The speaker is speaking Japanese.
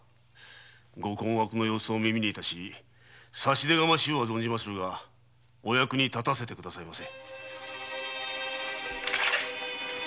ご困惑の様子を耳に致し差し出がましゅうは存じまするがお役に立たせてくださいませ。